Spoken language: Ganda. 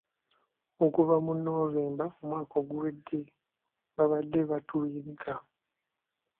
Okuva mu Novemba omwaka oguwedde babadde batuyigga.